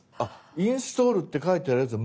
「インストール」って書いてあるやつは無料なんですね。